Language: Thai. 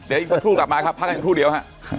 เดี๋ยวอีกสักครู่กลับมาครับพักกันครู่เดียวฮะ